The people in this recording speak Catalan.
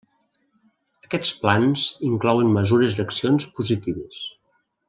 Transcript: Aquests plans inclouen mesures d'accions positives.